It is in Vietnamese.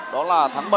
đó là tháng bảy